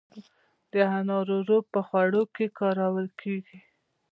د انارو رب په خوړو کې کارول کیږي.